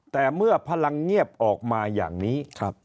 แต่เมื่อพลังเงียบออกมาอย่างนี้